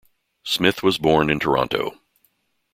Smith was born in Toronto.